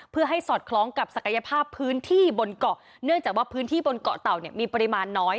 เพื่อให้สอดคล้องกับศักยภาพพื้นที่บนเกาะเนื่องจากว่าพื้นที่บนเกาะเต่าเนี่ยมีปริมาณน้อย